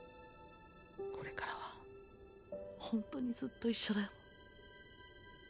これからはほんとにずっと一緒だよ。